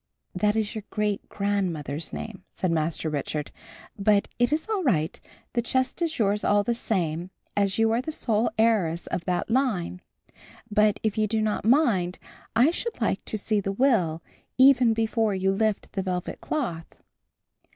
"That is your great grandmother's name," said Master Richard, "but it is all right, the chest is yours all the same, as you are the sole heiress of that line. But if you do not mind I should like to see the will, even before you lift the velvet cloth."